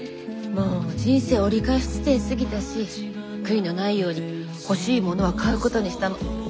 もう人生折り返し地点過ぎたし悔いのないように欲しいものは買うことにしたの。